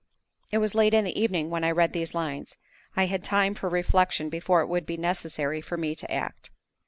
It was late in the evening when I read these lines. I had time for reflection before it would be necessary for me to act.